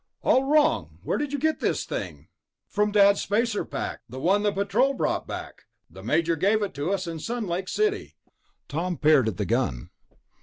"All wrong. Where did you get this thing?" "From Dad's spacer pack, the one the Patrol brought back. The Major gave it to us in Sun Lake City." Tom peered at the gun.